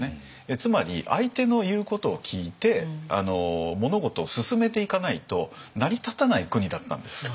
つまり相手の言うことを聞いて物事を進めていかないと成り立たない国だったんですよ。